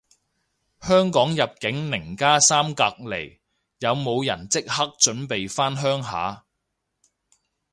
香港入境零加三隔離，有冇人即刻準備返鄉下